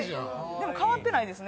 でも変わってないですね。